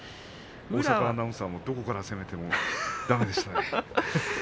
大坂アナウンサーがどこから攻めてもだめでしたね。